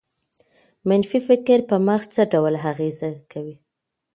منفي فکر په مغز څه ډول اغېز کوي؟